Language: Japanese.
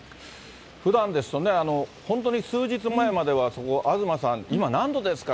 ふだんですとね、本当に数日前まではそこ、東さん、今何度ですか？